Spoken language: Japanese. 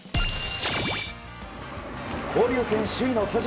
交流戦首位の巨人。